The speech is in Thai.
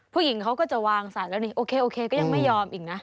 ผู้หญิงเขาก็จะวางสายแล้วนี่โอเคโอเคก็ยังไม่ยอมอีกนะ